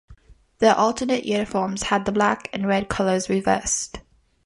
Their alternate uniform has the black and red colours reversed.